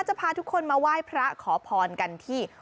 จะพาทุกคนมาไหว้พระขอพรกันที่